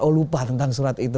oh lupa tentang surat itu